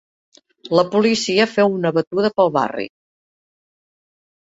La policia feu una batuda pel barri.